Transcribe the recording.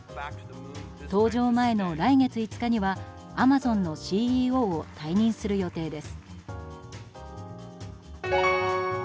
搭乗前の来月５日にはアマゾンのＣＥＯを退任する予定です。